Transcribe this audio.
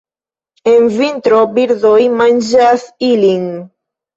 En vintro birdoj manĝas ilin.